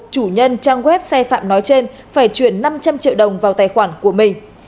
chủ nhân trang web sai phạm nói trên phải chuyển năm trăm linh triệu đồng vào tài khoản của mình